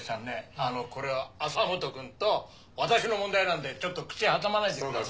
あのこれは朝本君と私の問題なんでちょっと口挟まないでくれる？